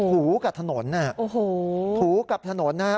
ถูกกับถนนนะฮะถูกกับถนนนะฮะ